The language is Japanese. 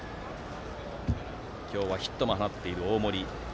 今日はヒットも放っている大森。